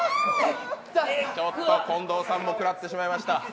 ちょっと近藤さんも食らってしまいました。